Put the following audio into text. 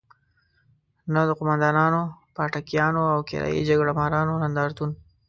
نه د قوماندانانو، پاټکیانو او کرايي جګړه مارانو نندارتون.